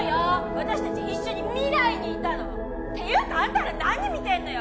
私達一緒に未来にいたのていうかあんたら何見てんのよ！